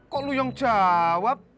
kok lo yang jawab